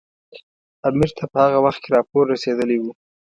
امیر ته په هغه وخت کې راپور رسېدلی وو.